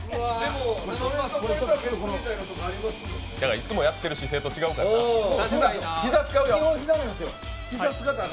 いつもやってる姿勢と違うからなあ。